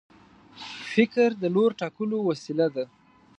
فکر د لور ټاکلو وسیله ده.